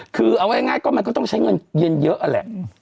คือเอาง่ายก็มันก็ต้องใช้เงินเย็นเยอะนั่นแหละ